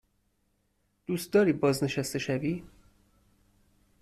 دوست داری بازنشسته شوی؟